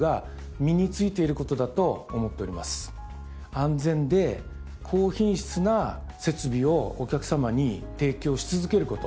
安全で高品質な設備をお客さまに提供し続けること。